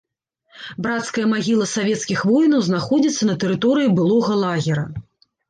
Брацкая магіла савецкіх воінаў знаходзіцца на тэрыторыі былога лагера.